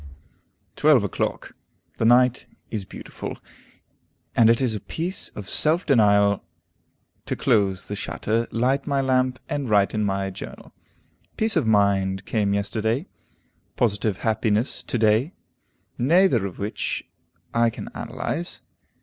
12 o'clock. The night is beautiful, and it is a piece of self denial to close the shutter, light my lamp, and write in my journal. Peace of mind came yesterday, positive happiness to day, neither of which I can analyze.